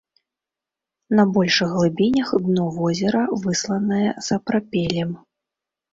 На большых глыбінях дно возера высланае сапрапелем.